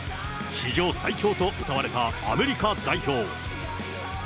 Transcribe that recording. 史上最強とうたわれたアメリカ代表。